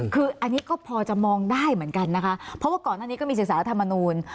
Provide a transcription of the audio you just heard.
คืออันนี้ก็พอจะมองได้เหมือนกันนะคะเพราะว่าก่อนหน้านี้ก็มีศึกษารัฐมนูล